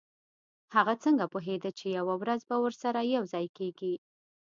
هغه څنګه پوهیده چې یوه ورځ به ورسره یوځای کیږي